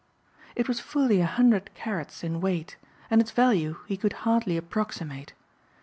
It was fully a hundred carats in weight and its value he could hardly approximate.